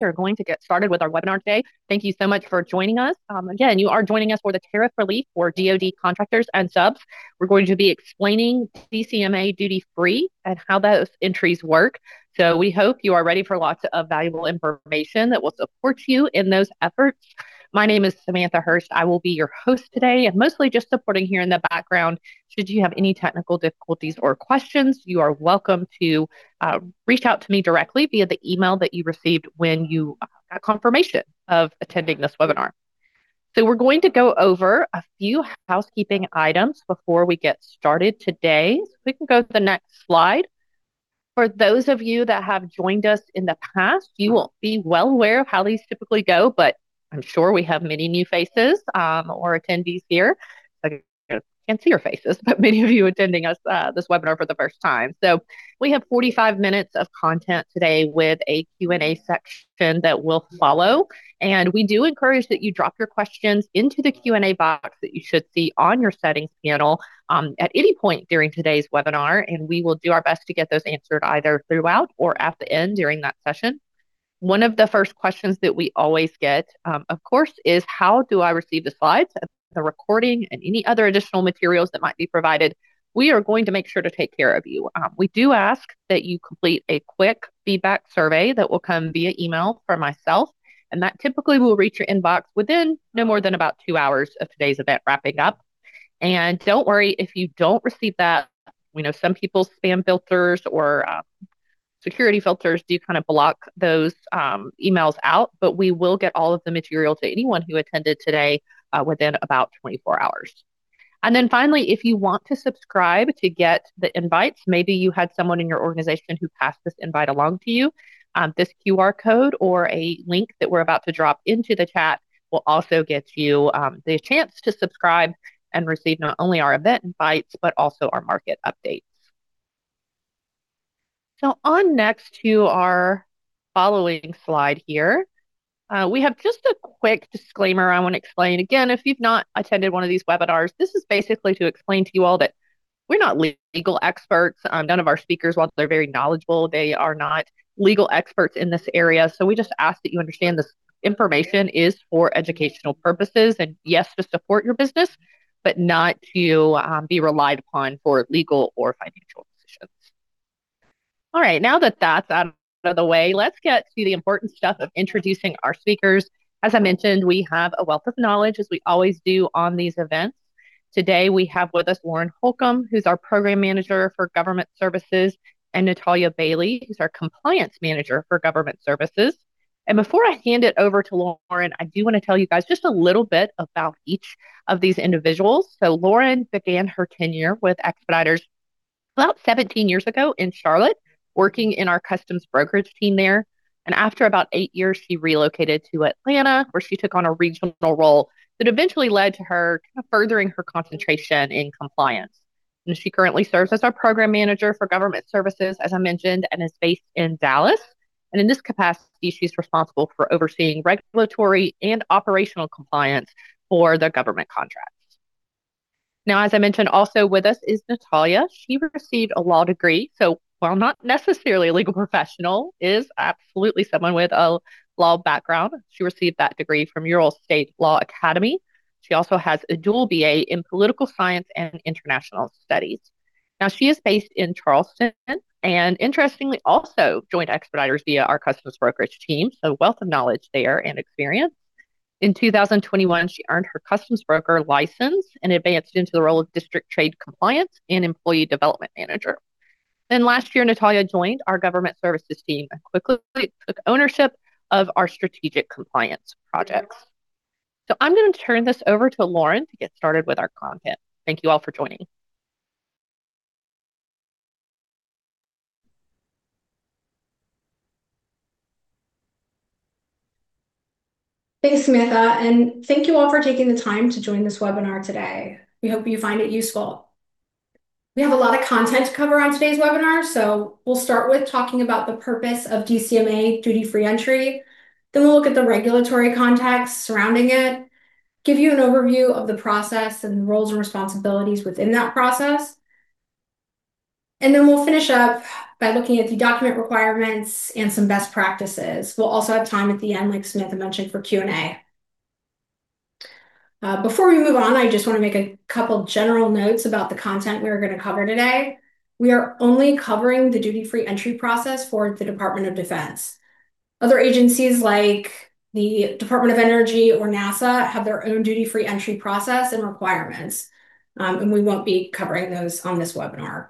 We are going to get started with our webinar today. Thank you so much for joining us. Again, you are joining us for the Tariff Relief for DoD Contractors and Subs. We're going to be explaining DCMA Duty-Free and how those entries work. So we hope you are ready for lots of valuable information that will support you in those efforts. My name is Samantha Hurst. I will be your host today, and mostly just supporting here in the background. Should you have any technical difficulties or questions, you are welcome to reach out to me directly via the email that you received when you got confirmation of attending this webinar. So we're going to go over a few housekeeping items before we get started today. We can go to the next slide. For those of you that have joined us in the past, you will be well aware of how these typically go, but I'm sure we have many new faces, or attendees here. I can't see your faces, but many of you attending us, this webinar for the first time. So we have 45 minutes of content today with a Q&A section that will follow, and we do encourage that you drop your questions into the Q&A box that you should see on your settings panel, at any point during today's webinar, and we will do our best to get those answered either throughout or at the end during that session. One of the first questions that we always get, of course, is, "How do I receive the slides, the recording, and any other additional materials that might be provided?" We are going to make sure to take care of you. We do ask that you complete a quick feedback survey that will come via email from myself, and that typically will reach your inbox within no more than about 2 hours of today's event wrapping up. And don't worry if you don't receive that. We know some people's spam filters or, security filters do kind of block those, emails out, but we will get all of the material to anyone who attended today, within about 24 hours. Then finally, if you want to subscribe to get the invites, maybe you had someone in your organization who passed this invite along to you, this QR code or a link that we're about to drop into the chat will also get you the chance to subscribe and receive not only our event invites, but also our market updates. Onto our following slide here, we have just a quick disclaimer I want to explain. Again, if you've not attended one of these webinars, this is basically to explain to you all that we're not legal experts. None of our speakers, while they're very knowledgeable, they are not legal experts in this area. So we just ask that you understand this information is for educational purposes, and yes, to support your business, but not to be relied upon for legal or financial decisions. All right, now that that's out of the way, let's get to the important stuff of introducing our speakers. As I mentioned, we have a wealth of knowledge, as we always do on these events. Today, we have with us Lauren Holcomb, who's our Program Manager for Government Services, and Natalia Bailey, who's our Compliance Manager for Government Services. And before I hand it over to Lauren, I do want to tell you guys just a little bit about each of these individuals. So Lauren began her tenure with Expeditors about 17 years ago in Charlotte, working in our customs brokerage team there. After about eight years, she relocated to Atlanta, where she took on a regional role that eventually led to her furthering her concentration in compliance. She currently serves as our Program Manager for Government Services, as I mentioned, and is based in Dallas. In this capacity, she's responsible for overseeing regulatory and operational compliance for the government contracts. Now, as I mentioned, also with us is Natalia. She received a law degree, so while not necessarily a legal professional, is absolutely someone with a law background. She received that degree from Ural State Law Academy. She also has a dual BA in Political Science and International Studies. Now, she is based in Charleston, and interestingly, also joined Expeditors via our customs brokerage team, so a wealth of knowledge there and experience. In 2021, she earned her customs broker license and advanced into the role of District Trade Compliance and Employee Development Manager. Then last year, Natalia joined our government services team and quickly took ownership of our strategic compliance projects. So I'm going to turn this over to Lauren to get started with our content. Thank you all for joining. Thanks, Samantha, and thank you all for taking the time to join this webinar today. We hope you find it useful. We have a lot of content to cover on today's webinar, so we'll start with talking about the purpose of DCMA Duty-Free Entry. Then we'll look at the regulatory context surrounding it, give you an overview of the process and the roles and responsibilities within that process, and then we'll finish up by looking at the document requirements and some best practices. We'll also have time at the end, like Samantha mentioned, for Q&A. Before we move on, I just want to make a couple general notes about the content we are going to cover today. We are only covering the Duty-Free Entry process for the Department of Defense. Other agencies, like the Department of Energy or NASA, have their own Duty-Free Entry process and requirements, and we won't be covering those on this webinar.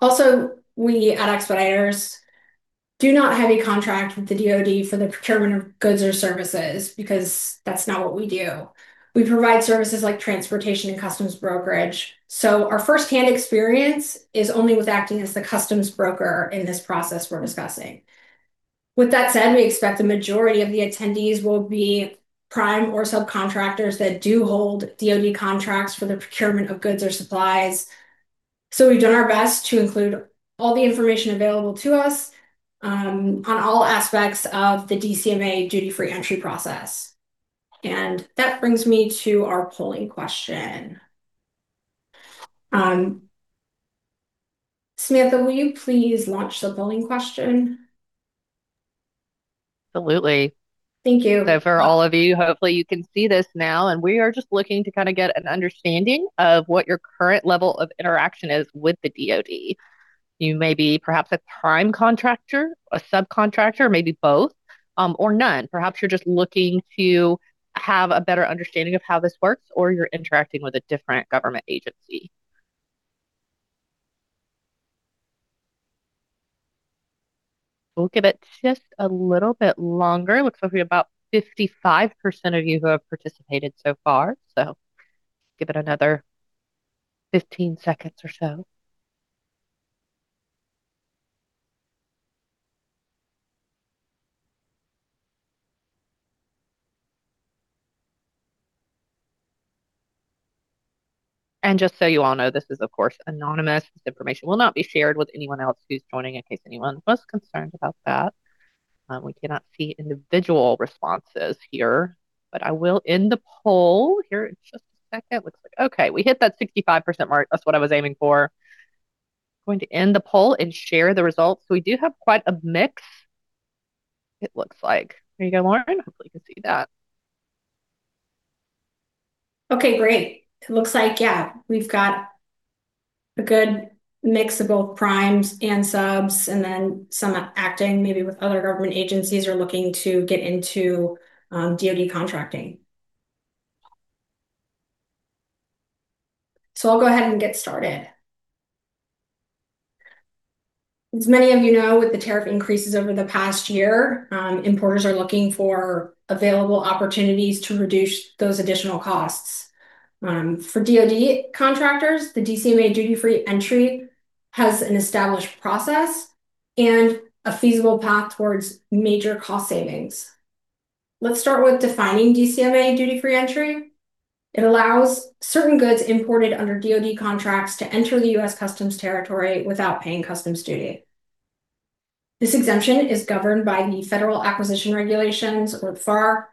Also, we at Expeditors do not have a contract with the DoD for the procurement of goods or services, because that's not what we do. We provide services like transportation and customs brokerage, so our first-hand experience is only with acting as the customs broker in this process we're discussing. With that said, we expect the majority of the attendees will be prime or subcontractors that do hold DoD contracts for the procurement of goods or supplies. So we've done our best to include all the information available to us, on all aspects of the DCMA Duty-Free Entry process. And that brings me to our polling question. Samantha, will you please launch the polling question? Absolutely. Thank you. So for all of you, hopefully you can see this now, and we are just looking to kind of get an understanding of what your current level of interaction is with the DoD. You may be perhaps a prime contractor, a subcontractor, maybe both, or none. Perhaps you're just looking to have a better understanding of how this works, or you're interacting with a different government agency. We'll give it just a little bit longer. It looks like we have about 55% of you who have participated so far, so give it another 15 seconds or so. And just so you all know, this is, of course, anonymous. This information will not be shared with anyone else who's joining, in case anyone was concerned about that. We cannot see individual responses here, but I will end the poll here in just a second. It looks like, okay, we hit that 65% mark. That's what I was aiming for. Going to end the poll and share the results. So we do have quite a mix, it looks like. There you go, Lauren. Hopefully, you can see that. Okay, great. It looks like, yeah, we've got a good mix of both primes and subs, and then some acting, maybe with other government agencies are looking to get into DoD contracting. So I'll go ahead and get started. As many of you know, with the tariff increases over the past year, importers are looking for available opportunities to reduce those additional costs. For DoD contractors, the DCMA Duty-Free Entry has an established process and a feasible path towards major cost savings. Let's start with defining DCMA Duty-Free Entry. It allows certain goods imported under DoD contracts to enter the U.S. customs territory without paying customs duty. This exemption is governed by the Federal Acquisition Regulations, or FAR,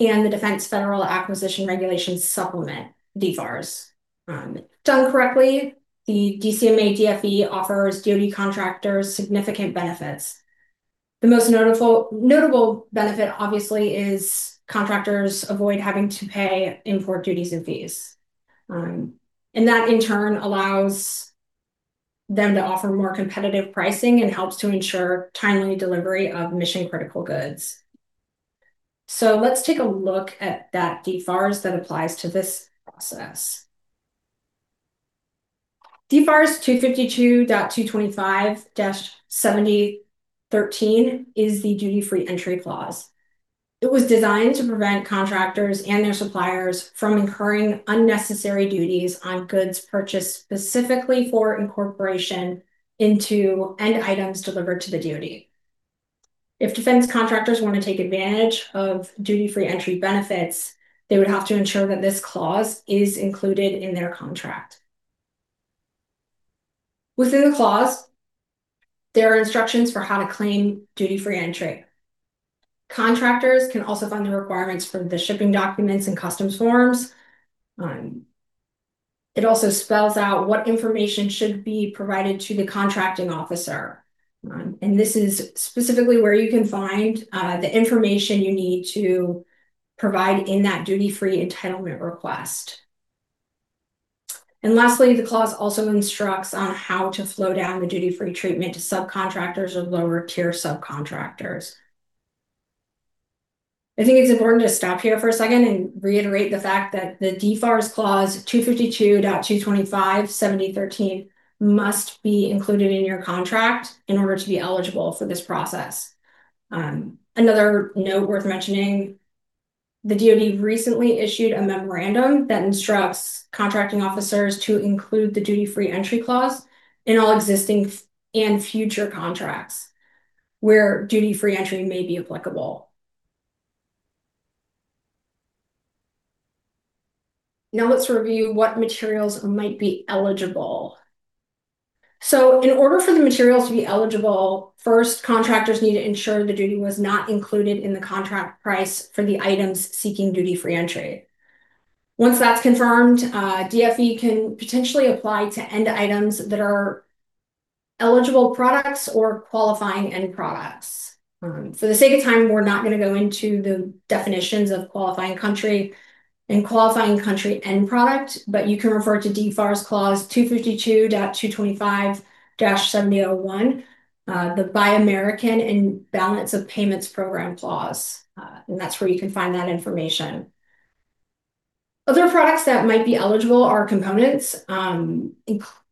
and the Defense Federal Acquisition Regulation Supplement, DFARS. Done correctly, the DCMA DFE offers DoD contractors significant benefits. The most notable benefit, obviously, is contractors avoid having to pay import duties and fees. And that, in turn, allows them to offer more competitive pricing and helps to ensure timely delivery of mission-critical goods. So let's take a look at that DFARS that applies to this process. DFARS 252.225-7013 is the Duty-Free Entry clause. It was designed to prevent contractors and their suppliers from incurring unnecessary duties on goods purchased specifically for incorporation into end items delivered to the DoD. If defense contractors want to take advantage of Duty-Free Entry benefits, they would have to ensure that this clause is included in their contract. Within the clause, there are instructions for how to claim Duty-Free Entry. Contractors can also find the requirements for the shipping documents and customs forms. It also spells out what information should be provided to the contracting officer. And this is specifically where you can find the information you need to provide in that Duty-Free Entitlement request. And lastly, the clause also instructs on how to flow down the Duty-Free treatment to subcontractors or lower-tier subcontractors. I think it's important to stop here for a second and reiterate the fact that the DFARS clause, 252.225-7013, must be included in your contract in order to be eligible for this process. Another note worth mentioning, the DoD recently issued a memorandum that instructs contracting officers to include the Duty-Free Entry clause in all existing and future contracts, where Duty-Free Entry may be applicable. Now, let's review what materials might be eligible. So in order for the materials to be eligible, first, contractors need to ensure the duty was not included in the contract price for the items seeking Duty-Free Entry. Once that's confirmed, DFE can potentially apply to end items that are eligible products or qualifying end products. For the sake of time, we're not going to go into the definitions of qualifying country and qualifying country end product, but you can refer to DFARS clause 252.225-7013, the Buy American and Balance of Payments Program clause, and that's where you can find that information. Other products that might be eligible are components,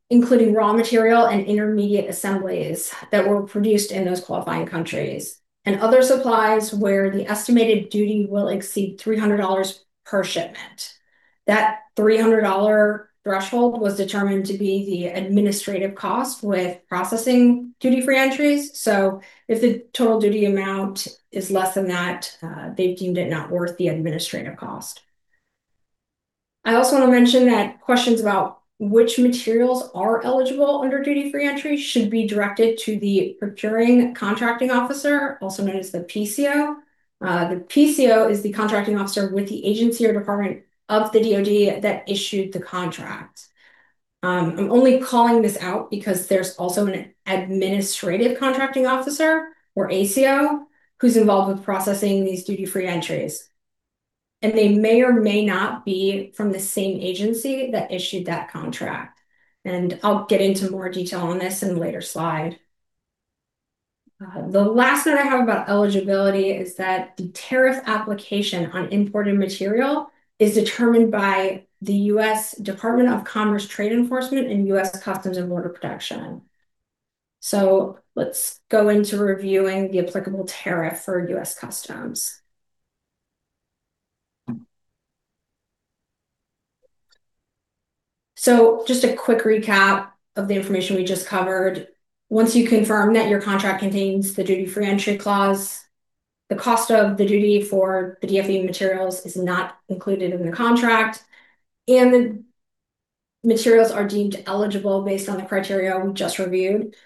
including raw material and intermediate assemblies that were produced in those qualifying countries, and other supplies where the estimated duty will exceed $300 per shipment. That $300 threshold was determined to be the administrative cost with processing Duty-Free entries. So if the total duty amount is less than that, they've deemed it not worth the administrative cost. I also want to mention that questions about which materials are eligible under Duty-Free Entry should be directed to the Procuring Contracting Officer, also known as the PCO. The PCO is the contracting officer with the agency or department of the DoD that issued the contract. I'm only calling this out because there's also an Administrative Contracting Officer, or ACO, who's involved with processing these Duty-Free entries, and they may or may not be from the same agency that issued that contract. And I'll get into more detail on this in a later slide. The last note I have about eligibility is that the tariff application on imported material is determined by the U.S. Department of Commerce, Trade Enforcement, and U.S. Customs and Border Protection. So let's go into reviewing the applicable tariff for U.S. Customs. So just a quick recap of the information we just covered. Once you confirm that your contract contains the Duty-Free Entry clause, the cost of the duty for the DFE materials is not included in the contract, and the materials are deemed eligible based on the criteria we just reviewed.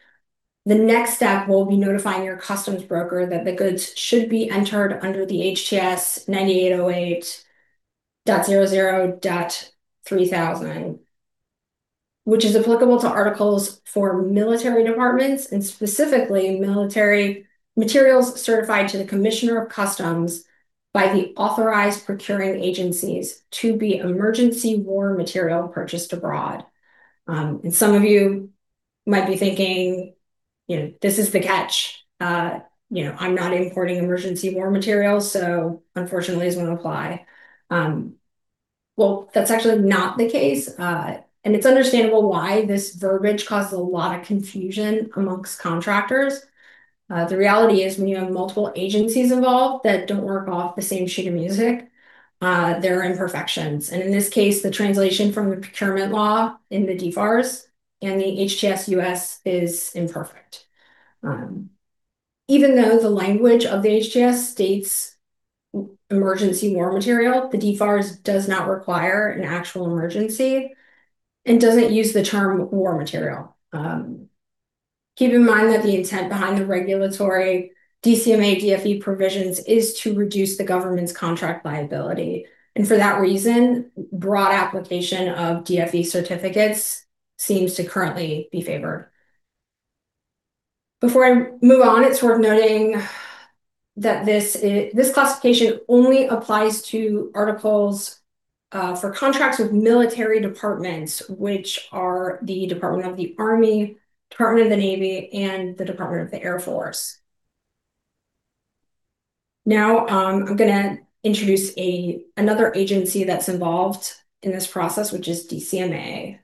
The next step will be notifying your customs broker that the goods should be entered under the HTS 9808.00.3000, which is applicable to articles for military departments and specifically military materials certified to the Commissioner of Customs by the authorized procuring agencies to be emergency war material purchased abroad. Some of you might be thinking, you know, "This is the catch. You know, I'm not importing emergency war materials, so unfortunately, this won't apply." Well, that's actually not the case, and it's understandable why this verbiage causes a lot of confusion among contractors. The reality is, when you have multiple agencies involved that don't work off the same sheet of music, there are imperfections, and in this case, the translation from the procurement law in the DFARS and the HTS, U.S. is imperfect. Even though the language of the HTS states emergency war material, the DFARS does not require an actual emergency and doesn't use the term war material. Keep in mind that the intent behind the regulatory DCMA DFE provisions is to reduce the government's contract liability, and for that reason, broad application of DFE certificates seems to currently be favored. Before I move on, it's worth noting that this classification only applies to articles for contracts with military departments, which are the Department of the Army, Department of the Navy, and the Department of the Air Force. Now, I'm going to introduce another agency that's involved in this process, which is DCMA.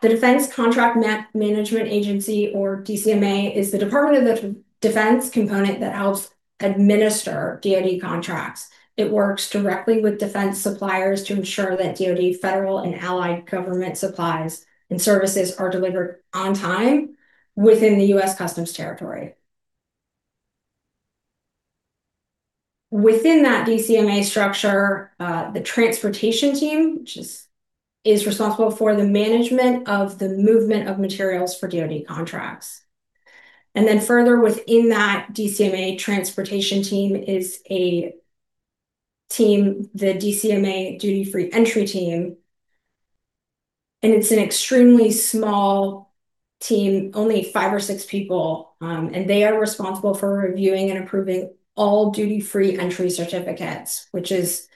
The Defense Contract Management Agency, or DCMA, is the Department of Defense component that helps administer DoD contracts. It works directly with defense suppliers to ensure that DoD, federal, and allied government supplies and services are delivered on time within the U.S. Customs territory. Within that DCMA structure, the transportation team, which is responsible for the management of the movement of materials for DoD contracts. And then further within that DCMA transportation team is a team, the DCMA Duty-Free Entry Team, and it's an extremely small team, only five or six people, and they are responsible for reviewing Duty-Free Entry certificates, which is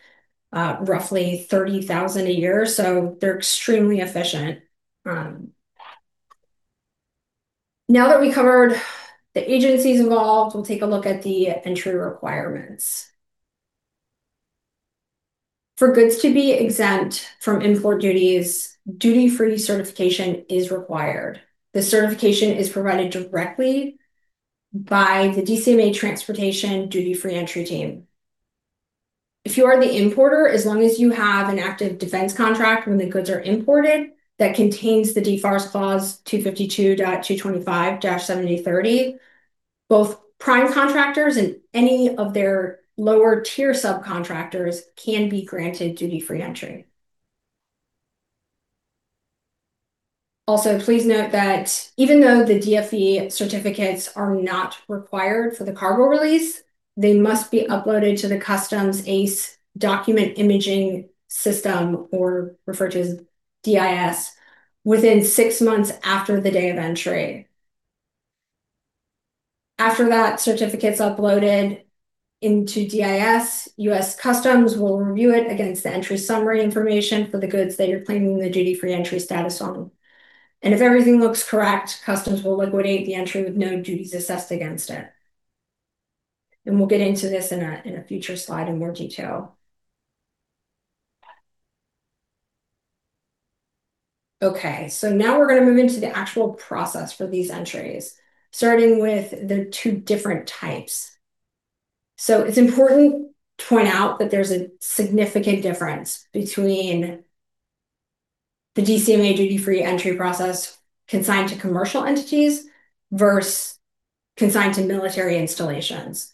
roughly 30,000 a year, so they're extremely efficient. Now that we covered the agencies involved, we'll take a look at the entry requirements. For goods to be exempt from import duties, Duty-Free certification is required. The certification is provided directly by the DCMA Transportation Duty-Free Entry Team. If you are the importer, as long as you have an active defense contract when the goods are imported that contains the DFARS clause 252.225-7013, both prime contractors and any of their lower-tier subcontractors can be granted Duty-Free Entry. Also, please note that even though the DFE certificates are not required for the cargo release, they must be uploaded to the Customs ACE Document Imaging System, or referred to as DIS, within six months after the day of entry. After that certificate's uploaded into DIS, U.S. Customs will review it against the entry summary information for the goods that you're claiming the Duty-Free Entry status on. And if everything looks correct, Customs will liquidate the entry with no duties assessed against it. And we'll get into this in a future slide in more detail. Okay, so now we're going to move into the actual process for these entries, starting with the two different types. So it's important to point out that there's a significant difference between the DCMA Duty-Free Entry process consigned to commercial entities versus consigned to military installations.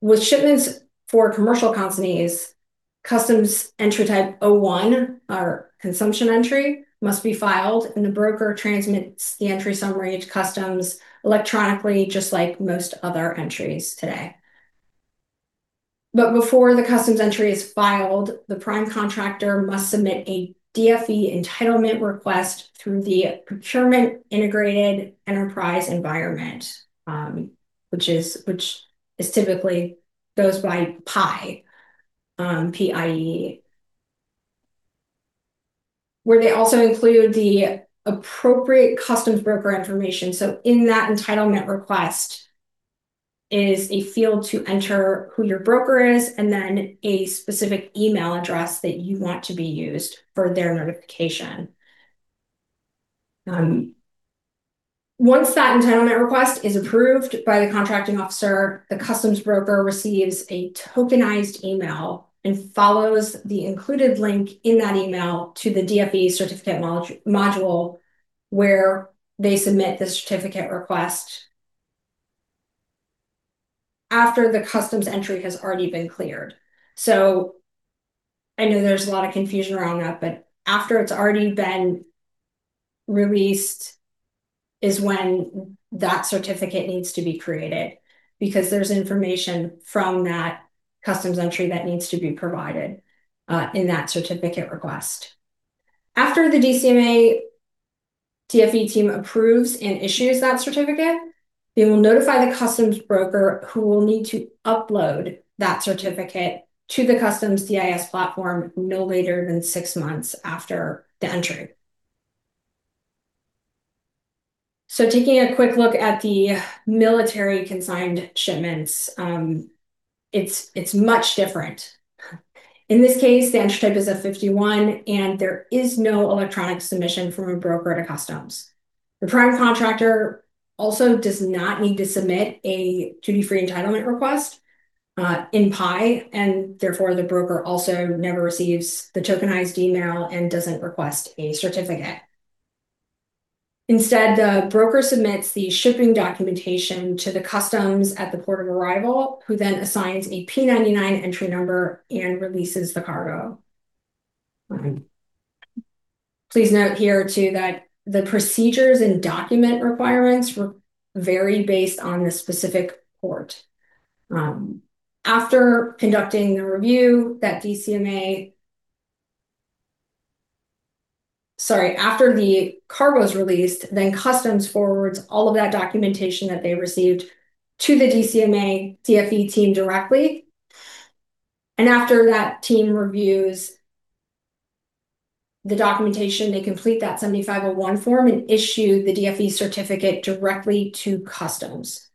With shipments for commercial consignees, customs entry type 01, or consumption entry, must be filed, and the broker transmits the entry summary to customs electronically, just like most other entries today. But before the customs entry is filed, the prime contractor must submit a DFE entitlement request through the Procurement Integrated Enterprise Environment, which is typically goes by PIEE, P-I-E-E, where they also include the appropriate customs broker information. So in that entitlement request is a field to enter who your broker is, and then a specific email address that you want to be used for their notification. Once that entitlement request is approved by the contracting officer, the customs broker receives a tokenized email and follows the included link in that email to the DFE certificate module, where they submit the certificate request after the customs entry has already been cleared. So I know there's a lot of confusion around that, but after it's already been released is when that certificate needs to be created, because there's information from that customs entry that needs to be provided in that certificate request. After the DCMA DFE team approves and issues that certificate, they will notify the customs broker, who will need to upload that certificate to the customs DIS platform no later than six months after the entry. So taking a quick look at the military-consigned shipments, it's much different. In this case, the entry type is a 51, and there is no electronic submission from a broker to customs. The prime contractor also does not need to submit a Duty-Free Entitlement request in PIEE, and therefore, the broker also never receives the tokenized email and doesn't request a certificate. Instead, the broker submits the shipping documentation to the customs at the port of arrival, who then assigns a P99 entry number and releases the cargo. Please note here, too, that the procedures and document requirements vary based on the specific port. After the cargo is released, then Customs forwards all of that documentation that they received to the DCMA DFE team directly, and after that team reviews the documentation, they complete that 7501 form and issue the DFE certificate directly to Customs.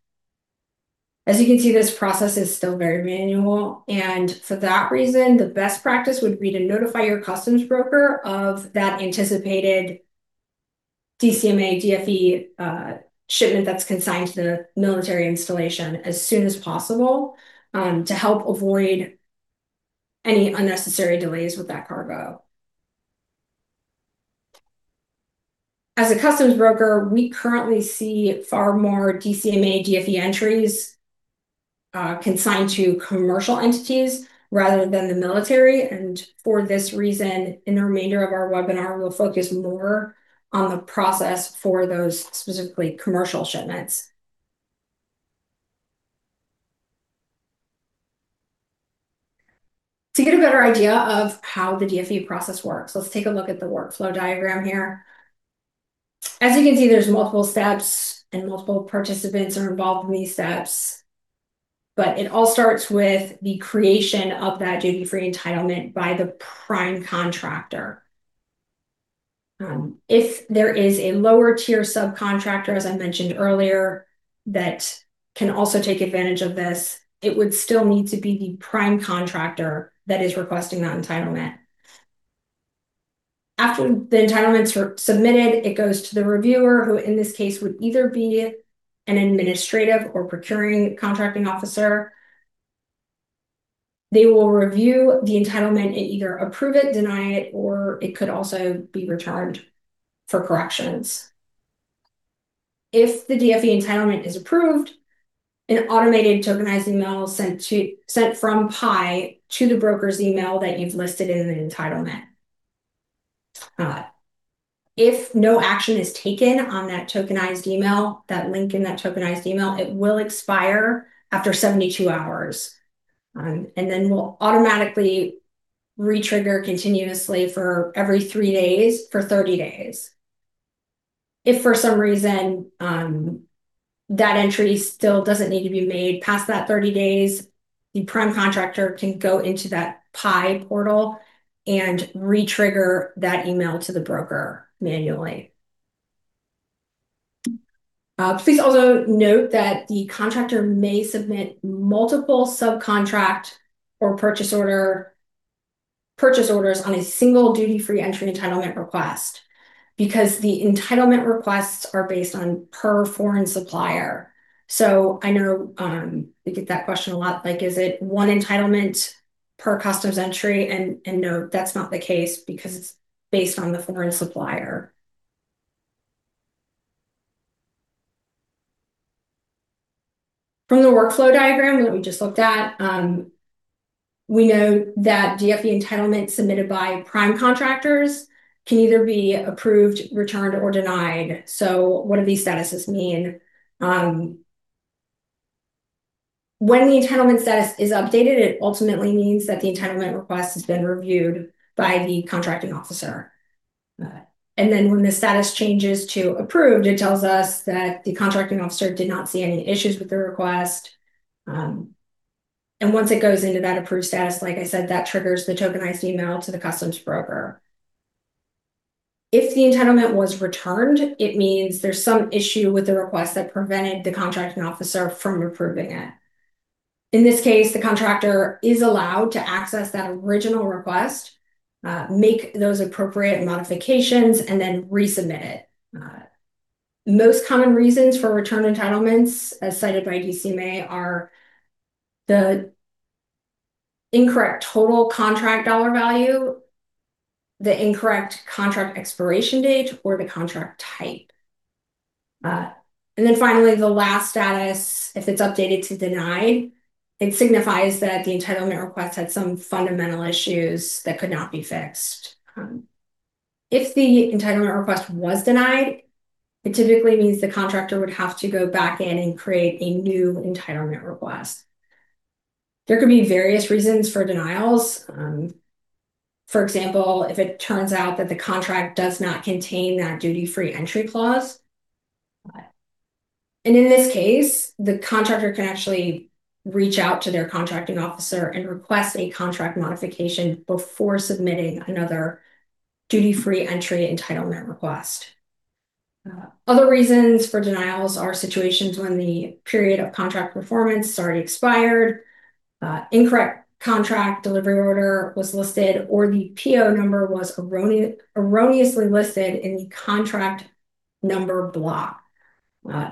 As you can see, this process is still very manual, and for that reason, the best practice would be to notify your customs broker of that anticipated DCMA DFE shipment that's consigned to the military installation as soon as possible, to help avoid any unnecessary delays with that cargo. As a customs broker, we currently see far more DCMA DFE entries consigned to commercial entities, rather than the military, and for this reason, in the remainder of our webinar, we'll focus more on the process for those specifically commercial shipments. To get a better idea of how the DFE process works, let's take a look at the workflow diagram here. As you can see, there's multiple steps, and multiple participants are involved in these steps, but it all starts with the creation of that Duty-Free Entitlement by the prime contractor. If there is a lower-tier subcontractor, as I mentioned earlier, that can also take advantage of this, it would still need to be the prime contractor that is requesting that entitlement. After the entitlements are submitted, it goes to the reviewer, who, in this case, would either be an administrative or procuring contracting officer. They will review the entitlement and either approve it, deny it, or it could also be returned for corrections. If the DFE entitlement is approved, an automated tokenized email is sent from PIEE to the broker's email that you've listed in the entitlement. If no action is taken on that tokenized email, that link in that tokenized email, it will expire after 72 hours, and then will automatically re-trigger continuously for every 3 days for 30 days. If for some reason, that entry still doesn't need to be made past that 30 days, the prime contractor can go into that PIEE portal and re-trigger that email to the broker manually. Please also note that the contractor may submit multiple subcontract or purchase order- purchase orders on a single Duty-Free Entry entitlement request, because the entitlement requests are based on per foreign supplier. So I know, we get that question a lot, like, is it one entitlement per customs entry? And no, that's not the case, because it's based on the foreign supplier. From the workflow diagram that we just looked at, we know that DFE entitlement submitted by prime contractors can either be approved, returned, or denied. So what do these statuses mean? When the entitlement status is updated, it ultimately means that the entitlement request has been reviewed by the contracting officer. And then when the status changes to approved, it tells us that the contracting officer did not see any issues with the request. And once it goes into that approved status, like I said, that triggers the tokenized email to the customs broker. If the entitlement was returned, it means there's some issue with the request that prevented the contracting officer from approving it. In this case, the contractor is allowed to access that original request, make those appropriate modifications, and then resubmit it. The most common reasons for returned entitlements, as cited by DCMA, are the incorrect total contract dollar value, the incorrect contract expiration date, or the contract type. And then finally, the last status, if it's updated to denied, it signifies that the entitlement request had some fundamental issues that could not be fixed. If the entitlement request was denied, it typically means the contractor would have to go back in and create a new entitlement request. There could be various reasons for denials. For example, if it turns out that the contract does not contain that Duty-Free Entry clause. And in this case, the contractor can actually reach out to their contracting officer and request a contract modification before submitting another Duty-Free Entry entitlement request. Other reasons for denials are situations when the period of contract performance has already expired, incorrect contract delivery order was listed, or the PO number was erroneously listed in the contract number block,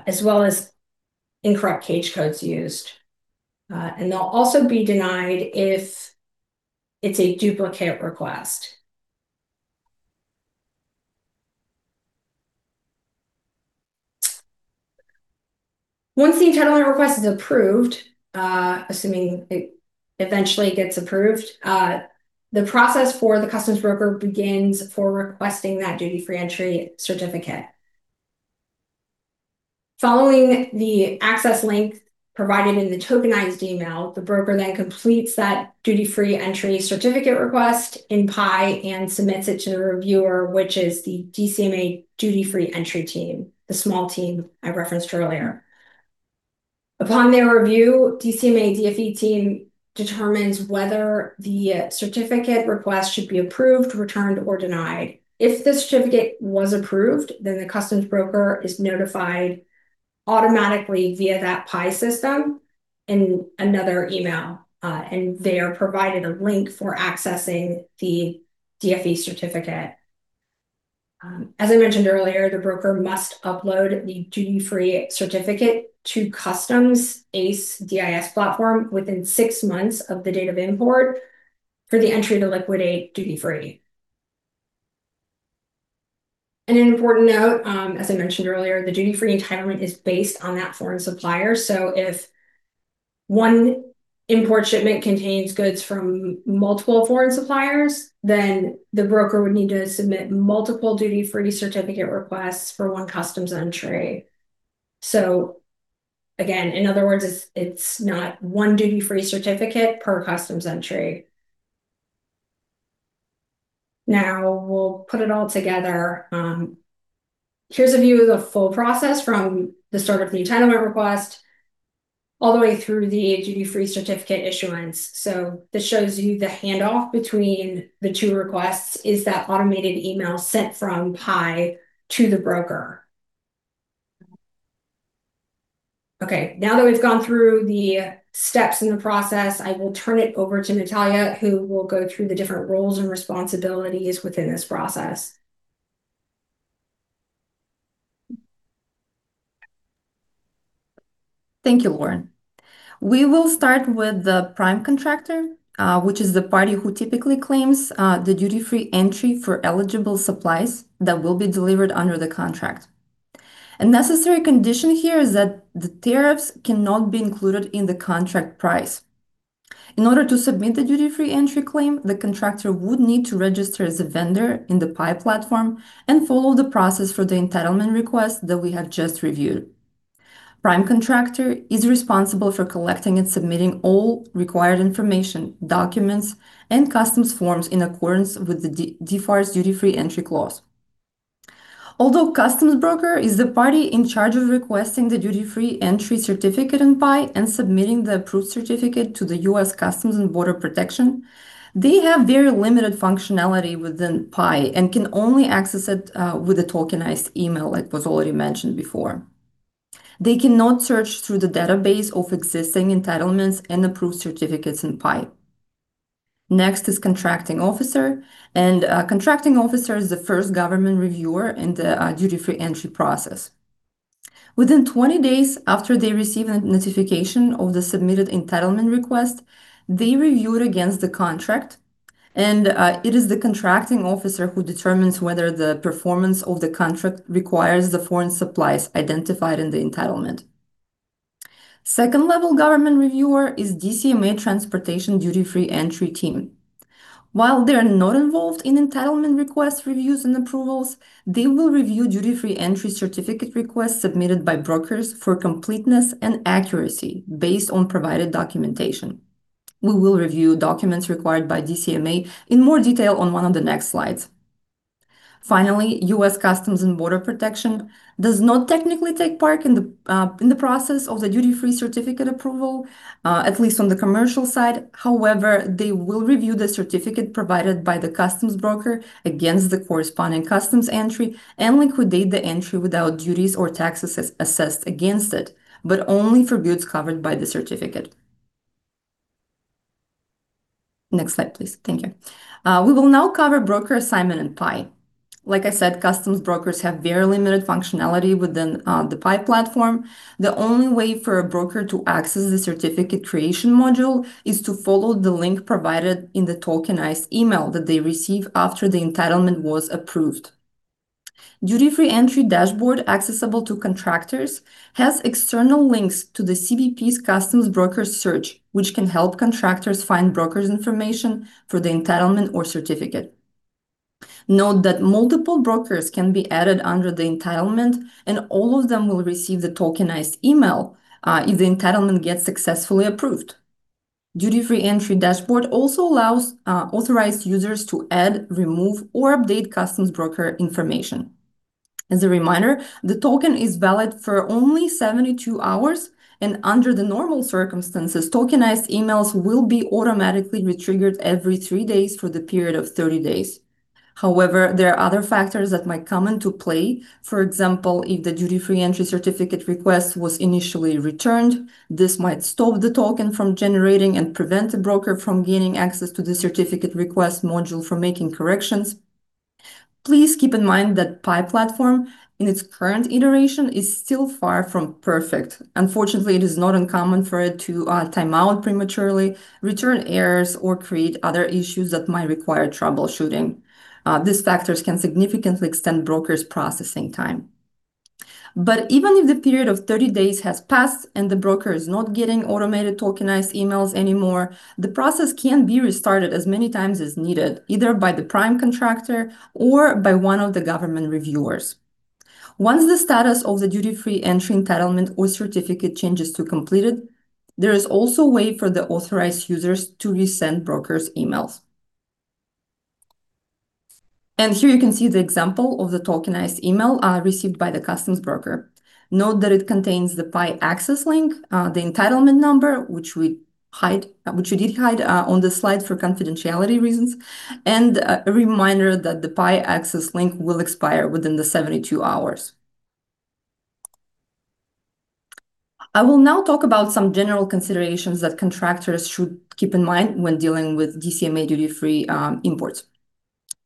as well as incorrect CAGE codes used. And they'll also be denied if it's a duplicate request. Once the entitlement request is approved, assuming it eventually gets approved, the process for the customs broker begins Duty-Free Entry certificate. Following the access link provided in the tokenized email, the broker Duty-Free Entry certificate request in PIEE and submits it to the reviewer, which is the DCMA Duty-Free Entry team, the small team I referenced earlier. Upon their review, DCMA DFE team determines whether the certificate request should be approved, returned, or denied. If the certificate was approved, then the customs broker is notified automatically via that PIEE system in another email, and they are provided a link for accessing the DFE certificate. As I mentioned earlier, the broker must upload the Duty-Free Certificate to Customs ACE DIS platform within six months of the date of import for the entry to liquidate Duty-Free. An important note, as I mentioned earlier, the Duty-Free Entitlement is based on that foreign supplier. So if one import shipment contains goods from multiple foreign suppliers, then the broker would need to submit multiple Duty-Free Certificate requests for one customs entry. So again, in other words, it's, it's not one Duty-Free Certificate per customs entry. Now, we'll put it all together. Here's a view of the full process from the start of the entitlement request all the way through the Duty-Free Certificate issuance. So this shows you the handoff between the two requests is that automated email sent from PIEE to the broker. Okay, now that we've gone through the steps in the process, I will turn it over to Natalia, who will go through the different roles and responsibilities within this process. Thank you, Lauren. We will start with the prime contractor, which is the party who typically claims the Duty-Free Entry for eligible supplies that will be delivered under the contract. A necessary condition here is that the tariffs cannot be included in the contract price. In order to submit the Duty-Free Entry claim, the contractor would need to register as a vendor in the PIEE platform and follow the process for the entitlement request that we have just reviewed. Prime contractor is responsible for collecting and submitting all required information, documents, and customs forms in accordance with the DFARS Duty-Free Entry clause. Although customs broker is the party in charge Duty-Free Entry certificate in PIEE and submitting the approved certificate to the U.S. Customs and Border Protection, they have very limited functionality within PIEE and can only access it with a tokenized email, like was already mentioned before. They cannot search through the database of existing entitlements and approved certificates in PIEE. Next is contracting officer, and contracting officer is the first government reviewer in the Duty-Free Entry process. Within 20 days after they receive a notification of the submitted entitlement request, they review it against the contract, and it is the contracting officer who determines whether the performance of the contract requires the foreign supplies identified in the entitlement. Second level government reviewer is DCMA Transportation Duty-Free Entry Team. While they're not involved in entitlement request reviews and approvals, Duty-Free Entry certificate requests submitted by brokers for completeness and accuracy based on provided documentation. We will review documents required by DCMA in more detail on one of the next slides. Finally, U.S. Customs and Border Protection does not technically take part in the process of the Duty-Free Certificate approval, at least on the commercial side. However, they will review the certificate provided by the customs broker against the corresponding customs entry and liquidate the entry without duties or taxes as assessed against it, but only for goods covered by the certificate. Next slide, please. Thank you. We will now cover broker assignment in PIEE. Like I said, customs brokers have very limited functionality within the PIEE platform. The only way for a broker to access the certificate creation module is to follow the link provided in the tokenized email that they receive after the entitlement was approved. Duty-free entry dashboard, accessible to contractors, has external links to the CBP's customs broker search, which can help contractors find brokers' information for the entitlement or certificate. Note that multiple brokers can be added under the entitlement, and all of them will receive the tokenized email, if the entitlement gets successfully approved. Duty-free entry dashboard also allows, authorized users to add, remove, or update customs broker information. As a reminder, the token is valid for only 72 hours, and under the normal circumstances, tokenized emails will be automatically re-triggered every 3 days for the period of 30 days. However, there are other factors that might come into play. For Duty-Free Entry certificate request was initially returned, this might stop the token from generating and prevent the broker from gaining access to the certificate request module for making corrections. Please keep in mind that PIEE platform, in its current iteration, is still far from perfect. Unfortunately, it is not uncommon for it to time out prematurely, return errors, or create other issues that might require troubleshooting. These factors can significantly extend broker's processing time. But even if the period of 30 days has passed and the broker is not getting automated tokenized emails anymore, the process can be restarted as many times as needed, either by the prime contractor or by one of the government reviewers. Once the status of the Duty-Free Entry, entitlement, or certificate changes to completed, there is also a way for the authorized users to resend brokers emails. Here you can see the example of the tokenized email received by the customs broker. Note that it contains the PIEE access link, the entitlement number, which we did hide on the slide for confidentiality reasons, and a reminder that the PIEE access link will expire within the 72 hours. I will now talk about some general considerations that contractors should keep in mind when dealing with DCMA Duty-Free imports.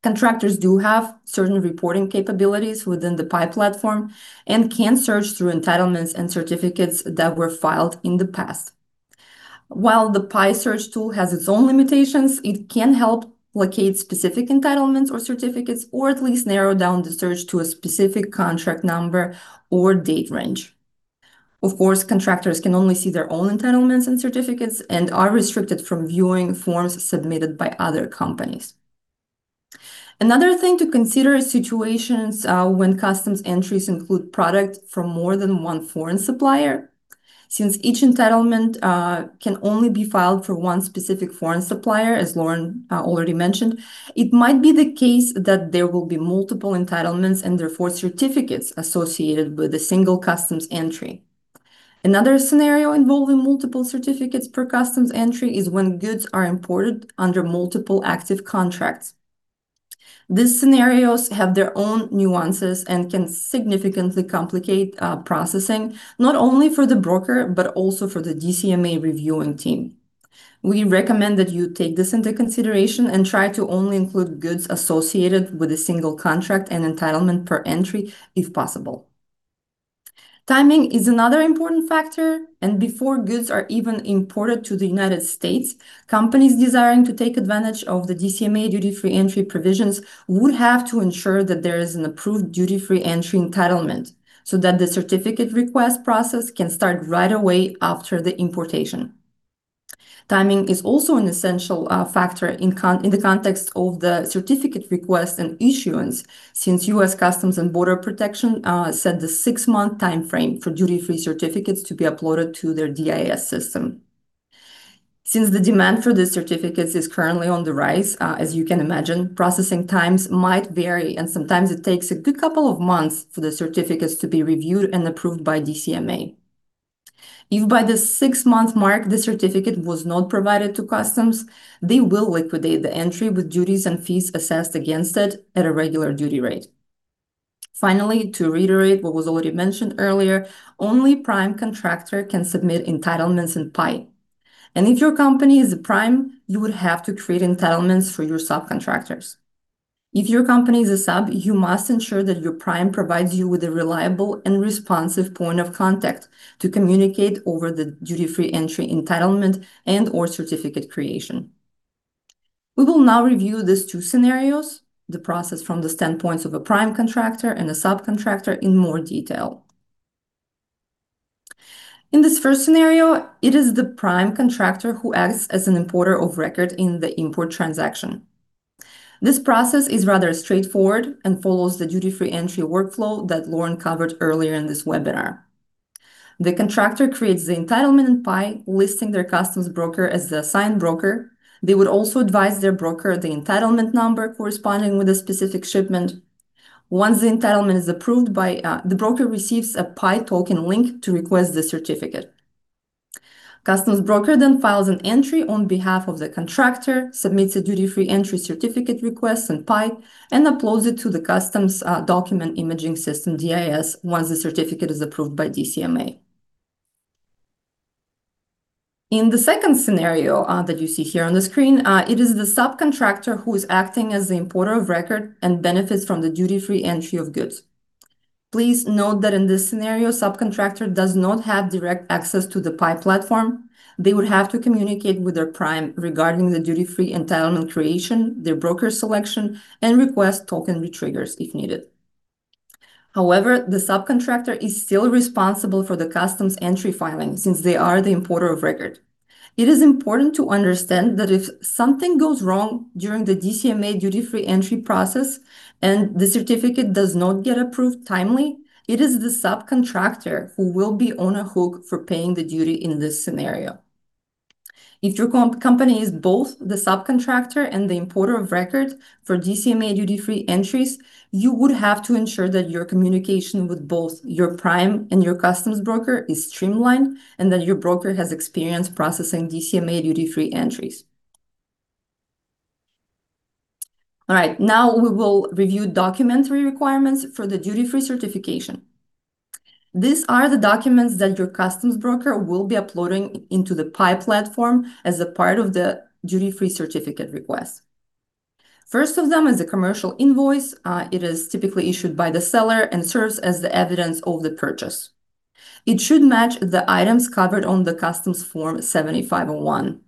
Contractors do have certain reporting capabilities within the PIEE platform and can search through entitlements and certificates that were filed in the past. While the PIEE search tool has its own limitations, it can help locate specific entitlements or certificates, or at least narrow down the search to a specific contract number or date range. Of course, contractors can only see their own entitlements and certificates and are restricted from viewing forms submitted by other companies. Another thing to consider is situations when customs entries include product from more than one foreign supplier. Since each entitlement can only be filed for one specific foreign supplier, as Lauren already mentioned, it might be the case that there will be multiple entitlements and therefore certificates associated with a single customs entry. Another scenario involving multiple certificates per customs entry is when goods are imported under multiple active contracts. These scenarios have their own nuances and can significantly complicate processing, not only for the broker, but also for the DCMA reviewing team. We recommend that you take this into consideration and try to only include goods associated with a single contract and entitlement per entry, if possible. Timing is another important factor, and before goods are even imported to the United States, companies desiring to take advantage of the DCMA Duty-Free Entry provisions would have to ensure that there is an approved Duty-Free Entry entitlement, so that the certificate request process can start right away after the importation. Timing is also an essential, factor in the context of the certificate request and issuance, since U.S. Customs and Border Protection set the six-month timeframe for Duty-Free Certificates to be uploaded to their DIS system. Since the demand for these certificates is currently on the rise, as you can imagine, processing times might vary, and sometimes it takes a good couple of months for the certificates to be reviewed and approved by DCMA. If by the 6-month mark, the certificate was not provided to Customs, they will liquidate the entry with duties and fees assessed against it at a regular duty rate. Finally, to reiterate what was already mentioned earlier, only prime contractor can submit entitlements in PIEE, and if your company is a prime, you would have to create entitlements for your subcontractors. If your company is a sub, you must ensure that your prime provides you with a reliable and responsive point of contact to communicate over the Duty-Free Entry entitlement and or certificate creation. We will now review these two scenarios, the process from the standpoints of a prime contractor and a subcontractor in more detail. In this first scenario, it is the prime contractor who acts as an importer of record in the import transaction. This process is rather straightforward and follows the Duty-Free Entry workflow that Lauren covered earlier in this webinar. The contractor creates the entitlement in PIEE, listing their customs broker as the assigned broker. They would also advise their broker the entitlement number corresponding with a specific shipment. Once the entitlement is approved, the broker receives a PIEE token link to request the certificate. Customs broker then files an entry on behalf of the Duty-Free Entry certificate request in PIEE, and uploads it to the customs document imaging system, DIS, once the certificate is approved by DCMA. In the second scenario that you see here on the screen, it is the subcontractor who is acting as the importer of record and benefits from the Duty-Free Entry of goods. Please note that in this scenario, subcontractor does not have direct access to the PIEE platform. They would have to communicate with their prime regarding the Duty-Free Entitlement creation, their broker selection, and request token retriggers if needed. However, the subcontractor is still responsible for the customs entry filing, since they are the importer of record. It is important to understand that if something goes wrong during the DCMA Duty-Free Entry process and the certificate does not get approved timely, it is the subcontractor who will be on the hook for paying the duty in this scenario. If your company is both the subcontractor and the importer of record for DCMA Duty-Free entries, you would have to ensure that your communication with both your prime and your customs broker is streamlined, and that your broker has experience processing DCMA Duty-Free entries. All right, now we will review documentary requirements for the Duty-Free certification. These are the documents that your customs broker will be uploading into the PIEE platform as a part of the Duty-Free Certificate request. First of them is a commercial invoice. It is typically issued by the seller and serves as the evidence of the purchase. It should match the items covered on the Customs Form 7501.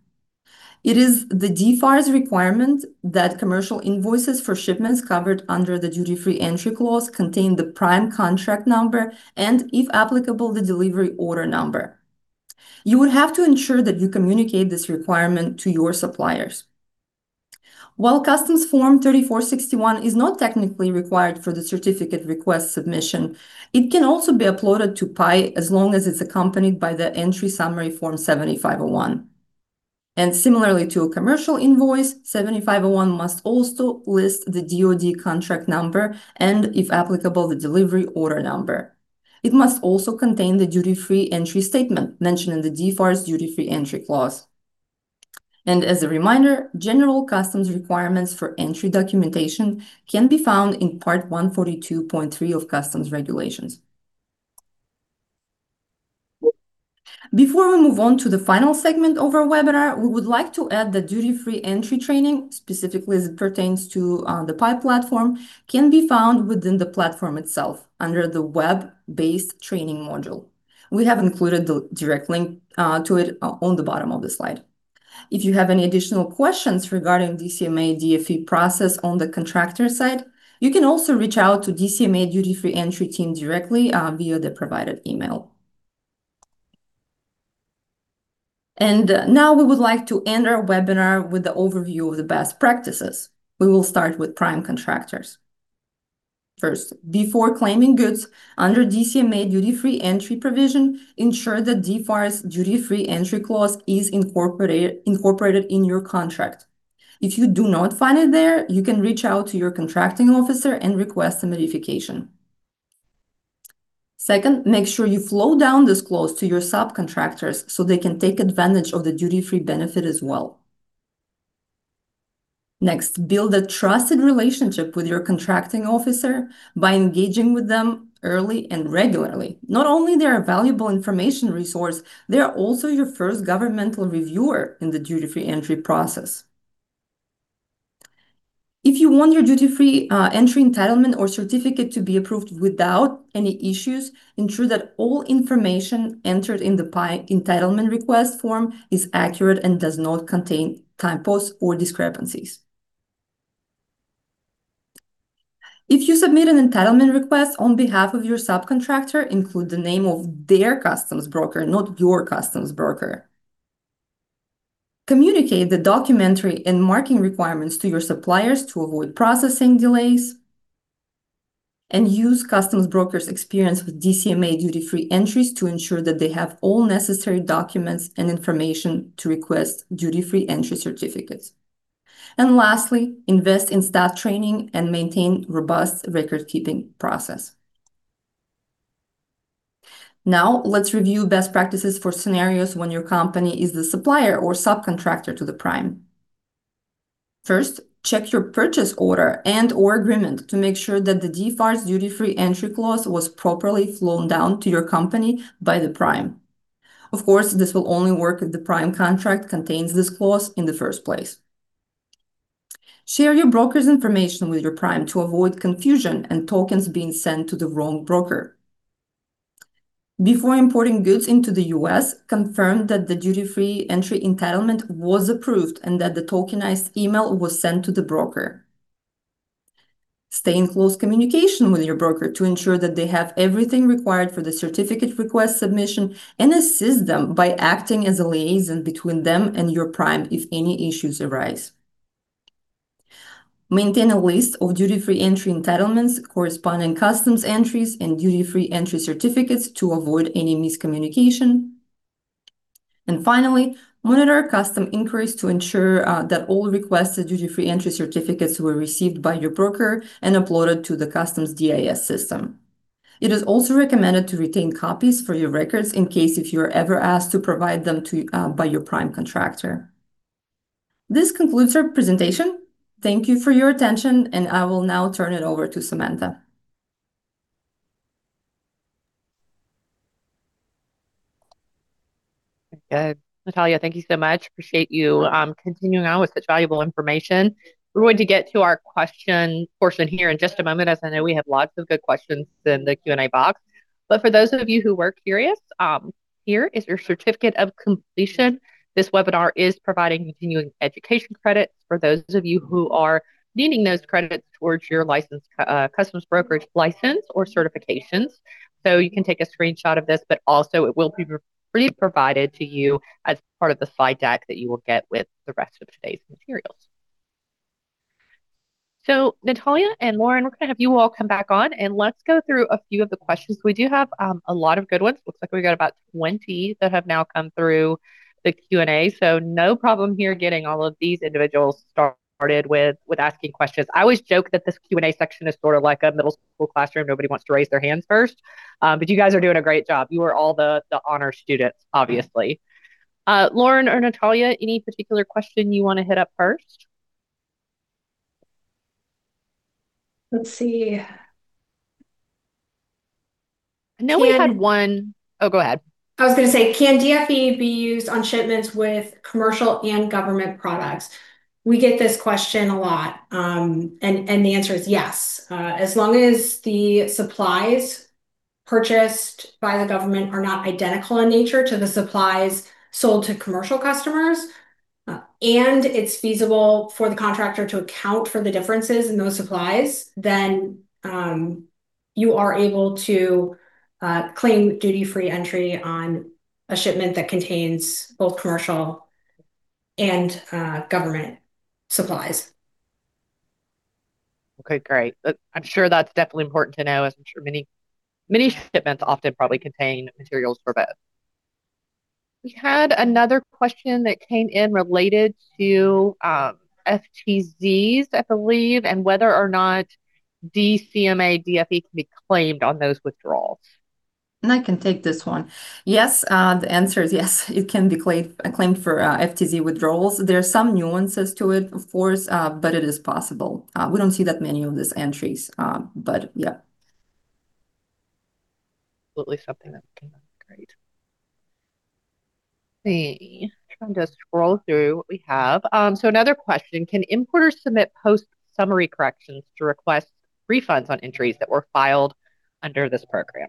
It is the DFARS requirement that commercial invoices for shipments covered under the Duty-Free Entry clause contain the prime contract number and, if applicable, the delivery order number. You would have to ensure that you communicate this requirement to your suppliers. While Customs Form 3461 is not technically required for the certificate request submission, it can also be uploaded to PIEE as long as it's accompanied by the entry summary Customs Form 7501. And similarly to a commercial invoice, 7501 must also list the DoD contract number and, if applicable, the delivery order number. It must also contain the Duty-Free Entry statement mentioned in the DFARS Duty-Free Entry clause. As a reminder, general customs requirements for entry documentation can be found in part 142.3 of customs regulations. Before we move on to the final segment of our webinar, we would like to add the Duty-Free Entry training, specifically as it pertains to the PIEE platform, can be found within the platform itself under the web-based training module. We have included the direct link to it on the bottom of the slide. If you have any additional questions regarding DCMA DFE process on the contractor side, you can also reach out to DCMA Duty-Free Entry team directly via the provided email. Now we would like to end our webinar with the overview of the best practices. We will start with prime contractors. First, before claiming goods under DCMA Duty-Free Entry provision, ensure that DFARS Duty-Free Entry clause is incorporated in your contract. If you do not find it there, you can reach out to your contracting officer and request a modification. Second, make sure you flow down this clause to your subcontractors so they can take advantage of the Duty-Free benefit as well. Next, build a trusted relationship with your contracting officer by engaging with them early and regularly. Not only they're a valuable information resource, they are also your first governmental reviewer in the Duty-Free Entry process. If you want your Duty-Free, entry, entitlement, or certificate to be approved without any issues, ensure that all information entered in the PIEE entitlement request form is accurate and does not contain typos or discrepancies. If you submit an entitlement request on behalf of your subcontractor, include the name of their customs broker, not your customs broker. Communicate the documentary and marking requirements to your suppliers to avoid processing delays, and use customs brokers' experience with DCMA Duty-Free entries to ensure that they have all necessary documents and Duty-Free Entry certificates. And lastly, invest in staff training and maintain robust record-keeping process. Now, let's review best practices for scenarios when your company is the supplier or subcontractor to the prime. First, check your purchase order and or agreement to make sure that the DFARS Duty-Free Entry clause was properly flown down to your company by the prime.... Of course, this will only work if the prime contract contains this clause in the first place. Share your broker's information with your prime to avoid confusion and tokens being sent to the wrong broker. Before importing goods into the U.S., confirm that the Duty-Free Entry entitlement was approved and that the tokenized email was sent to the broker. Stay in close communication with your broker to ensure that they have everything required for the certificate request submission, and assist them by acting as a liaison between them and your prime if any issues arise. Maintain a list of Duty-Free Entry entitlements, corresponding Duty-Free Entry certificates to avoid any miscommunication. Finally, monitor customs inquiries to ensure Duty-Free Entry certificates were received by your broker and uploaded to the customs DIS system. It is also recommended to retain copies for your records in case if you are ever asked to provide them by your prime contractor. This concludes our presentation. Thank you for your attention, and I will now turn it over to Samantha. Good. Natalia, thank you so much. Appreciate you continuing on with such valuable information. We're going to get to our question portion here in just a moment, as I know we have lots of good questions in the Q&A box. But for those of you who were curious, here is your certificate of completion. This webinar is providing continuing education credits for those of you who are needing those credits towards your licensed customs brokerage license or certifications. So you can take a screenshot of this, but also it will be re-provided to you as part of the slide deck that you will get with the rest of today's materials. So, Natalia and Lauren, we're gonna have you all come back on, and let's go through a few of the questions. We do have a lot of good ones. Looks like we've got about 20 that have now come through the Q&A, so no problem here getting all of these individuals started with asking questions. I always joke that this Q&A section is sort of like a middle school classroom. Nobody wants to raise their hands first, but you guys are doing a great job. You are all the honor students, obviously. Lauren or Natalia, any particular question you want to hit up first? Let's see. I know we had one... Oh, go ahead. I was gonna say, can DFE be used on shipments with commercial and government products? We get this question a lot. And the answer is yes. As long as the supplies purchased by the government are not identical in nature to the supplies sold to commercial customers, and it's feasible for the contractor to account for the differences in those supplies, then, you are able to, claim Duty-Free Entry on a shipment that contains both commercial and, government supplies. Okay, great. I'm sure that's definitely important to know, as I'm sure many, many shipments often probably contain materials for both. We had another question that came in related to, FTZs, I believe, and whether or not DCMA DFE can be claimed on those withdrawals. I can take this one. Yes, the answer is yes, it can be claimed, claimed for FTZ withdrawals. There are some nuances to it, of course, but it is possible. We don't see that many of these entries, but yeah. Absolutely something that came up. Great. Let's see. Trying to scroll through what we have. So another question: Can importers submit post summary corrections to request refunds on entries that were filed under this program?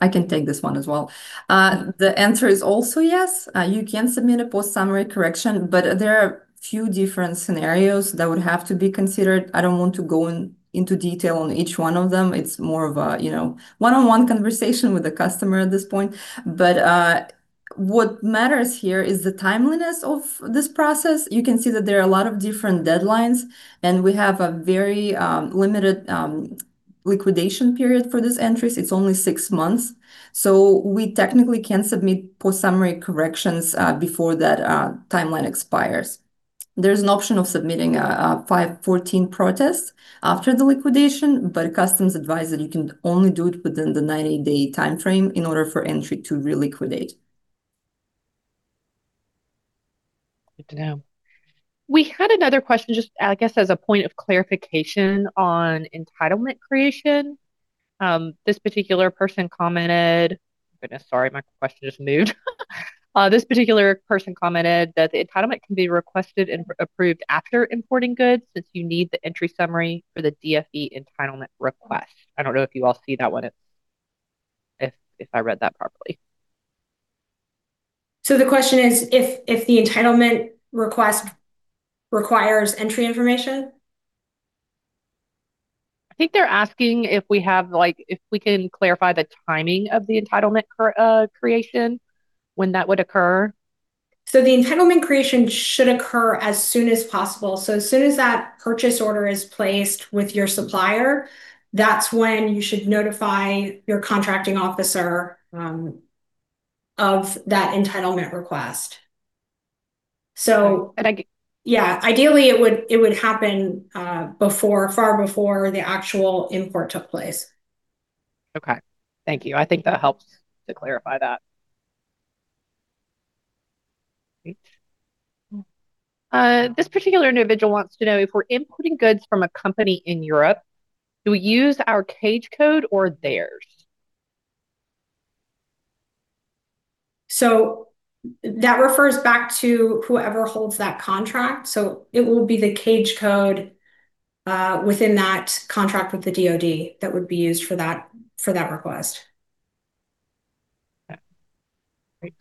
I can take this one as well. The answer is also yes, you can submit a post summary correction, but there are a few different scenarios that would have to be considered. I don't want to go into detail on each one of them. It's more of a, you know, one-on-one conversation with the customer at this point. But, what matters here is the timeliness of this process. You can see that there are a lot of different deadlines, and we have a very limited liquidation period for these entries. It's only six months, so we technically can submit post summary corrections before that timeline expires. There's an option of submitting a 514 protest after the liquidation, but customs advise that you can only do it within the 90-day time frame in order for entry to reliquidate. Good to know. We had another question, just, I guess, as a point of clarification on entitlement creation. This particular person commented... Goodness, sorry, my question just moved. This particular person commented that the entitlement can be requested and approved after importing goods, since you need the entry summary for the DFE entitlement request. I don't know if you all see that one, if, if, if I read that properly. The question is, if the entitlement request requires entry information? I think they're asking if we have, like, if we can clarify the timing of the entitlement creation, when that would occur. The entitlement creation should occur as soon as possible. As soon as that purchase order is placed with your supplier, that's when you should notify your contracting officer of that entitlement request. And I- Yeah, ideally, it would, it would happen, before, far before the actual import took place. Okay. Thank you. I think that helps to clarify that.... Great. This particular individual wants to know: If we're importing goods from a company in Europe, do we use our CAGE Code or theirs? So that refers back to whoever holds that contract. So it will be the CAGE code within that contract with the DoD that would be used for that, for that request. Okay,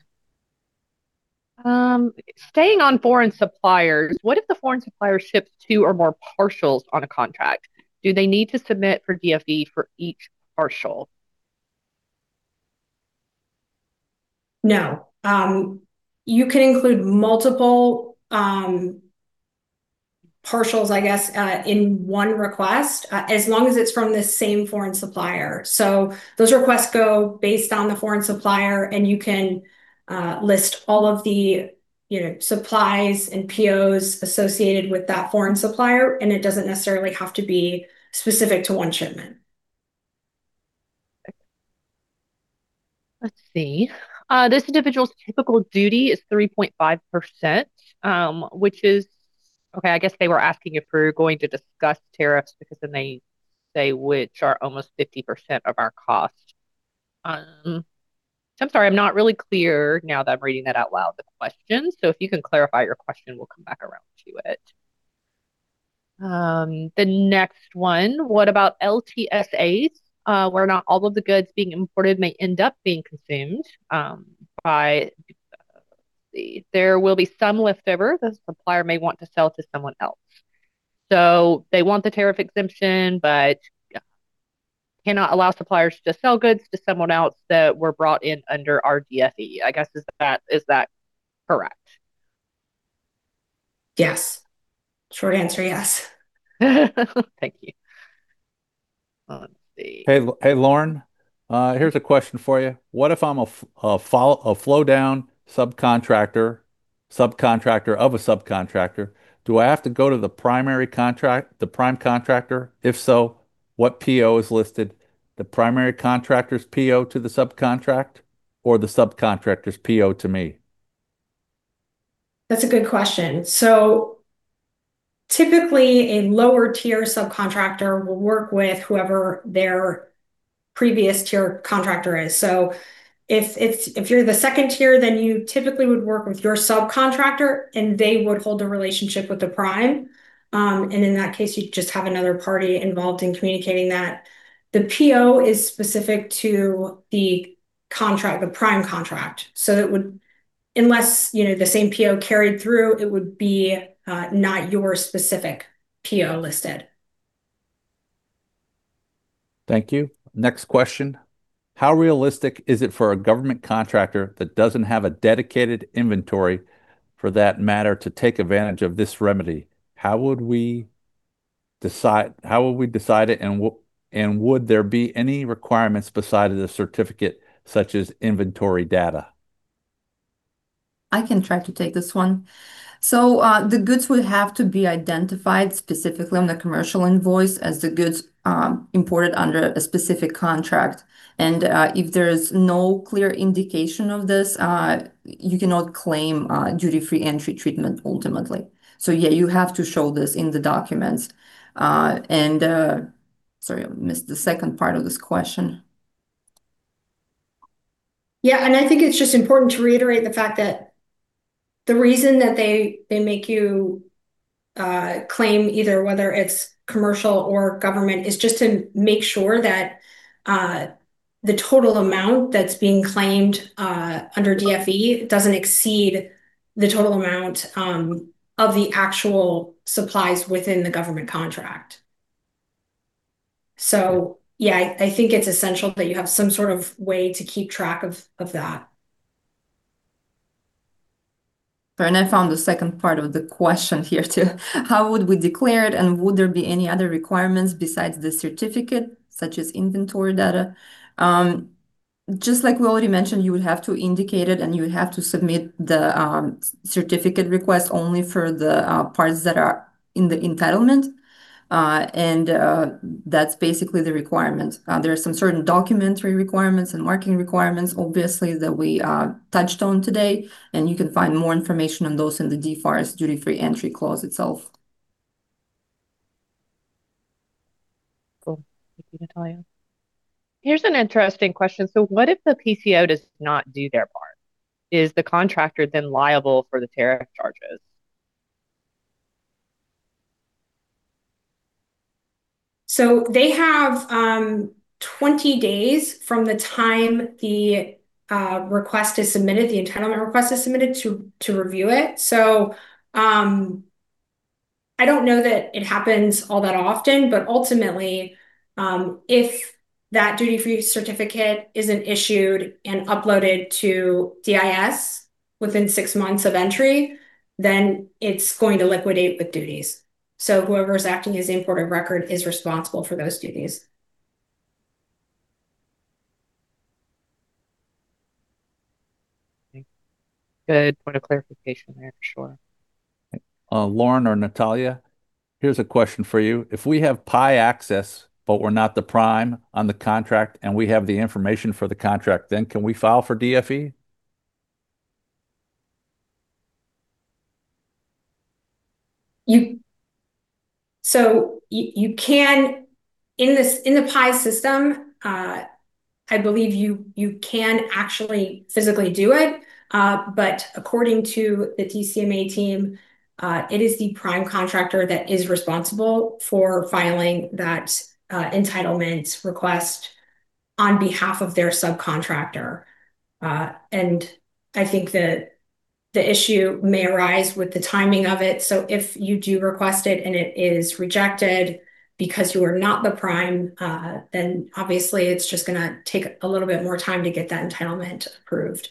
great. Staying on foreign suppliers, what if the foreign supplier ships two or more partials on a contract? Do they need to submit for DFE for each partial? No. You can include multiple partials, I guess, in one request as long as it's from the same foreign supplier. So those requests go based on the foreign supplier, and you can list all of the, you know, supplies and POs associated with that foreign supplier, and it doesn't necessarily have to be specific to one shipment. Let's see. This individual's typical duty is 3.5%, which is... Okay, I guess they were asking if we're going to discuss tariffs, because then they say, "Which are almost 50% of our cost." So I'm sorry, I'm not really clear now that I'm reading that out loud, the question, so if you can clarify your question, we'll come back around to it. The next one, what about LTSAs, where not all of the goods being imported may end up being consumed, by... There will be some leftover the supplier may want to sell to someone else. So they want the tariff exemption, but, yeah, cannot allow suppliers to just sell goods to someone else that were brought in under our DFE, I guess, is that, is that correct? Yes. Short answer, yes. Thank you. Let's see. Hey, Lauren, here's a question for you. What if I'm a flow-down subcontractor of a subcontractor, do I have to go to the prime contract, the prime contractor? If so, what PO is listed, the prime contractor's PO to the subcontractor or the subcontractor's PO to me? That's a good question. So typically, a lower-tier subcontractor will work with whoever their previous tier contractor is. So if it's, if you're the second tier, then you typically would work with your subcontractor, and they would hold a relationship with the prime. And in that case, you just have another party involved in communicating that. The PO is specific to the contract, the prime contract. So it would... unless, you know, the same PO carried through, it would be not your specific PO listed. Thank you. Next question: How realistic is it for a government contractor that doesn't have a dedicated inventory, for that matter, to take advantage of this remedy? How would we decide it, and would there be any requirements beside the certificate, such as inventory data? I can try to take this one. So, the goods would have to be identified specifically on the commercial invoice as the goods, imported under a specific contract, and, if there's no clear indication of this, you cannot claim, Duty-Free Entry treatment ultimately. So yeah, you have to show this in the documents. And, sorry, I missed the second part of this question. Yeah, and I think it's just important to reiterate the fact that the reason that they make you claim, either whether it's commercial or government, is just to make sure that the total amount that's being claimed under DFE doesn't exceed the total amount of the actual supplies within the government contract. So yeah, I think it's essential that you have some sort of way to keep track of that. I found the second part of the question here, too. How would we declare it, and would there be any other requirements besides the certificate, such as inventory data? Just like we already mentioned, you would have to indicate it, and you would have to submit the certificate request only for the parts that are in the entitlement. And that's basically the requirement. There are some certain documentary requirements and marking requirements, obviously, that we touched on today, and you can find more information on those in the DFARS Duty-Free Entry clause itself. Cool. Thank you, Natalia. Here's an interesting question: So what if the PCO does not do their part? Is the contractor then liable for the tariff charges? So they have 20 days from the time the request is submitted, the entitlement request is submitted, to review it. So, I don't know that it happens all that often, but ultimately, if that Duty-Free Certificate isn't issued and uploaded to DIS within six months of entry, then it's going to liquidate with duties. So whoever is acting as importer of record is responsible for those duties. Okay. Good point of clarification there, for sure.... Lauren or Natalia, here's a question for you. If we have PIEE access, but we're not the prime on the contract, and we have the information for the contract, then can we file for DFE? So you can, in this, in the PIEE system, I believe you can actually physically do it. But according to the DCMA team, it is the prime contractor that is responsible for filing that entitlement request on behalf of their subcontractor. And I think that the issue may arise with the timing of it. So if you do request it and it is rejected because you are not the prime, then obviously it's just gonna take a little bit more time to get that entitlement approved.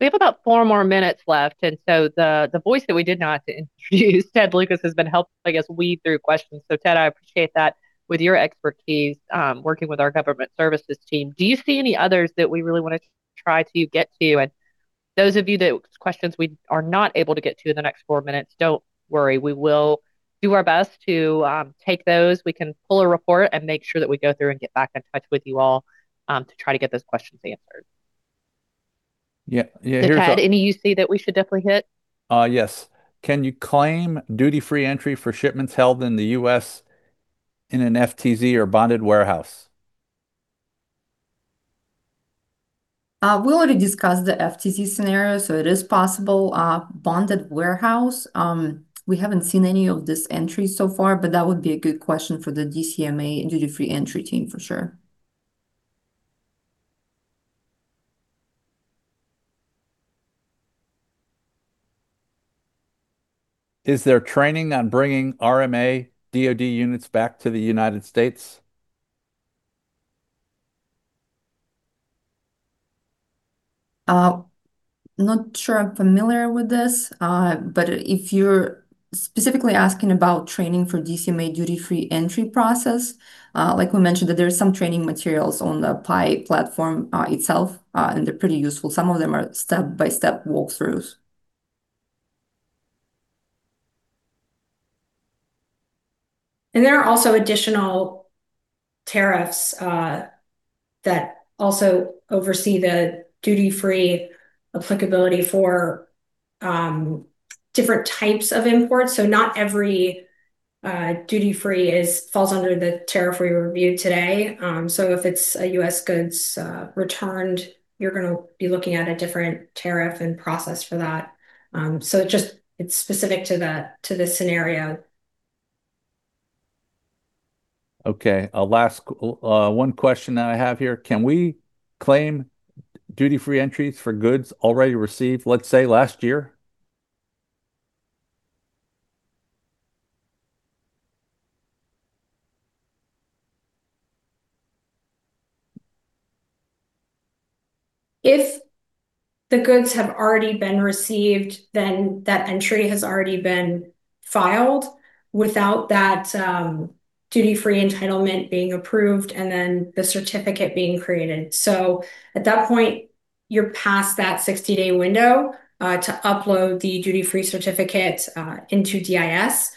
We have about 4 more minutes left, and so the voice that we did not introduce, Ted Lucas, has been helping us weed through questions. So, Ted, I appreciate that. With your expertise, working with our government services team, do you see any others that we really want to try to get to? And those of you that questions we are not able to get to in the next 4 minutes, don't worry, we will do our best to take those. We can pull a report and make sure that we go through and get back in touch with you all, to try to get those questions answered. Yeah, yeah, here's a- Ted, any you see that we should definitely hit? Yes. Can you claim Duty-Free Entry for shipments held in the U.S. in an FTZ or bonded warehouse? We already discussed the FTZ scenario, so it is possible. Bonded warehouse, we haven't seen any of this entry so far, but that would be a good question for the DCMA Duty-Free Entry team, for sure. Is there training on bringing RMA DoD units back to the United States? Not sure I'm familiar with this, but if you're specifically asking about training for DCMA Duty-Free Entry process, like we mentioned, that there are some training materials on the PIEE platform, itself, and they're pretty useful. Some of them are step-by-step walkthroughs. There are also additional tariffs that also oversee the Duty-Free applicability for different types of imports. Not every Duty-Free falls under the tariff we reviewed today. If it's a U.S. goods returned, you're gonna be looking at a different tariff and process for that. Just, it's specific to the scenario. Okay, a last, one question that I have here: Can we claim Duty-Free entries for goods already received, let's say, last year? If the goods have already been received, then that entry has already been filed without that Duty-Free Entitlement being approved, and then the certificate being created. So at that point, you're past that 60-day window to upload the Duty-Free Certificate into DIS.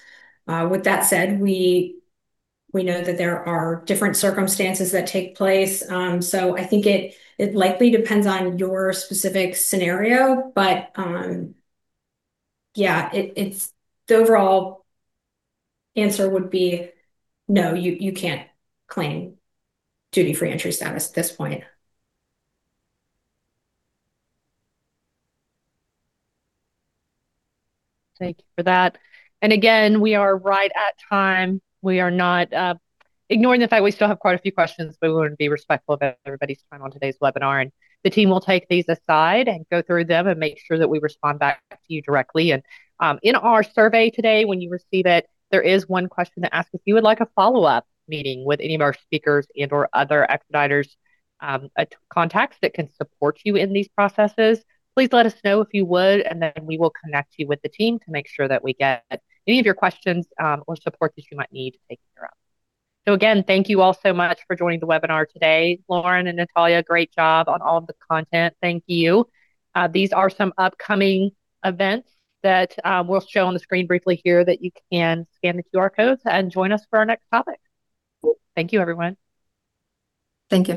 With that said, we know that there are different circumstances that take place. So I think it likely depends on your specific scenario, but yeah, it's the overall answer would be no, you can't claim Duty-Free Entry status at this point. Thank you for that. Again, we are right at time. We are not ignoring the fact we still have quite a few questions, but we want to be respectful of everybody's time on today's webinar, and the team will take these aside and go through them and make sure that we respond back to you directly. In our survey today, when you receive it, there is one question to ask if you would like a follow-up meeting with any of our speakers and/or other Expeditors contacts that can support you in these processes. Please let us know if you would, and then we will connect you with the team to make sure that we get any of your questions, or support that you might need taken care of. Again, thank you all so much for joining the webinar today. Lauren and Natalia, great job on all of the content. Thank you. These are some upcoming events that we'll show on the screen briefly here, that you can scan the QR codes and join us for our next topic. Thank you, everyone. Thank you.